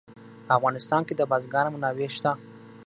په افغانستان کې د بزګان منابع شته.